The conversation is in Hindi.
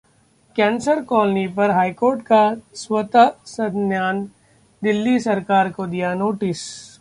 कैंसर कॉलोनी पर हाईकोर्ट का स्वत: संज्ञान, दिल्ली सरकार को दिया नोटिस